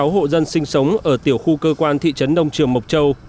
một trăm bốn mươi sáu hộ dân sinh sống ở tiểu khu cơ quan thị trấn đông trường mộc châu